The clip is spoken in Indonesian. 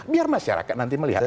biar masyarakat nanti melihat